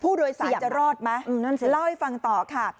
ผู้โดยสารจะรอดไหมนั่นสิเล่าให้ฟังต่อค่ะ